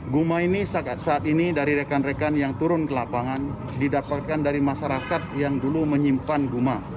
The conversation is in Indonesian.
guma ini saat ini dari rekan rekan yang turun ke lapangan didapatkan dari masyarakat yang dulu menyimpan guma